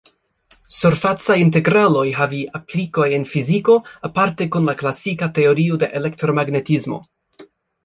Surfacaj integraloj havi aplikoj en fiziko, aparte kun la klasika teorio de elektromagnetismo.